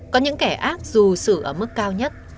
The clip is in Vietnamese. có những kẻ ác dù xử ở mức cao nhất